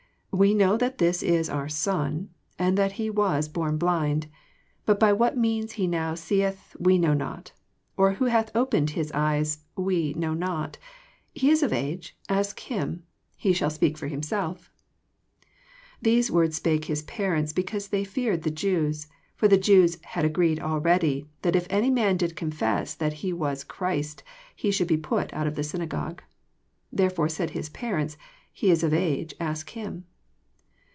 We know that this is our son, and that he was l>orn blind: 21 But by what meuis he now seeth, we know not; or who hath opened his eyes, we know not: he is of age; ask him; he shall speak for himselL 22 These words spake his pu'ents, because they feared the Jews: for the Jews had agreed already, that if any man did confess that ho was Christ, he should be put out of the synagogue. 23 Therefore said his parents. He is of age: ask him.